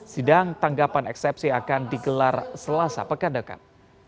sidang tanggapan eksepsi akan digelar selasa pekendakan